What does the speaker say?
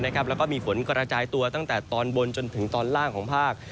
แล้วก็มีฝนกระจายตัวตั้งแต่ตอนบนจนถึงตอนล่างของภาค